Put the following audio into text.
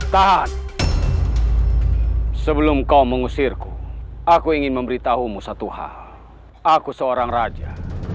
tahan sebelum kau mengusirku aku ingin memberitahumu satu hal aku seorang raja